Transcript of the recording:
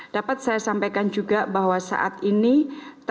dapat saya sampaikan juga bahwa saatnya